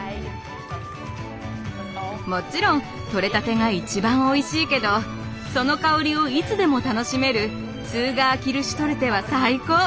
もちろんとれたてが一番おいしいけどその香りをいつでも楽しめるツーガー・キルシュトルテは最高！